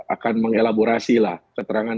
akan mengelaborasi lah keterangan